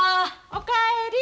おかえり！